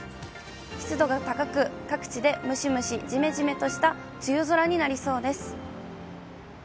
湿度が高く、各地でムシムシじめじめとした梅雨空になりそうです。